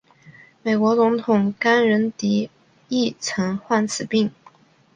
美国总统甘乃迪亦曾患此病。